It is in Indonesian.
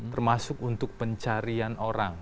termasuk untuk pencarian orang